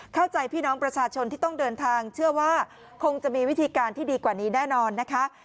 พี่น้องประชาชนที่ต้องเดินทางเชื่อว่าคงจะมีวิธีการที่ดีกว่านี้แน่นอนนะคะ